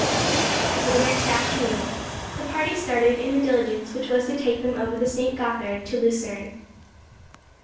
So the next afternoon the party started in the diligence which was to take them over the St. Gothard to Lucerne.